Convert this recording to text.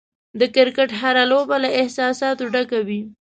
د کرکټ هره لوبه له احساساتو ډکه وي.